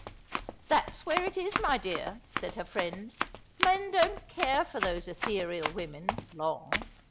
"That's where it is, my dear," said her friend. "Men don't care for those ethereal women long.